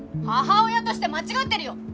母親として間違ってるよ。